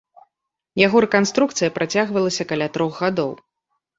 Яго рэканструкцыя працягвалася каля трох гадоў.